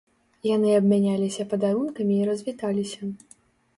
Яны абмяняліся падарункамі і развіталіся.